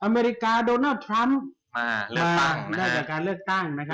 อเมริกาโดนัลด์ทรัมป์มาได้จากการเลือกตั้งนะครับ